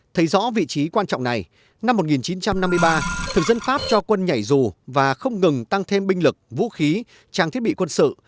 thấy rõ vị trí quan trọng này năm một nghìn chín trăm năm mươi ba thực dân pháp cho quân nhảy dù và không ngừng tăng thêm binh lực vũ khí trang thiết bị quân sự